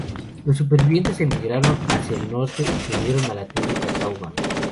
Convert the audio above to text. Los supervivientes emigraron hacia el norte y se unieron a la tribu Catawba.